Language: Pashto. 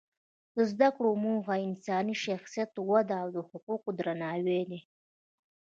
د زده کړو موخه انساني شخصیت وده او د حقوقو درناوی دی.